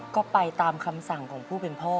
ก็ไปตามคำสั่งของผู้เป็นพ่อ